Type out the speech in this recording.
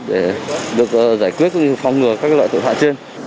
để được giải quyết phòng ngừa các loại tội phạm trên